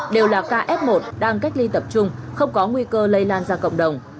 đều là ca f một đang cách ly tập trung không có nguy cơ lây lan ra cộng đồng